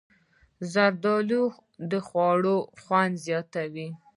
زردالو د خوړو خوند زیاتوي.